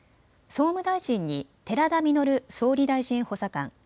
総務大臣に寺田稔総理大臣補佐官。